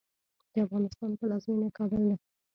د افغانستان پلازمېنه کابل ده.